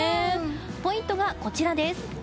ポイントはこちらです。